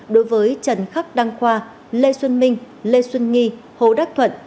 đối với trần khắc đăng khoa lê xuân minh lê xuân nghi hồ đắc thuận